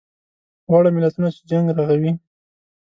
واړه ملتونه چې جنګ رغوي.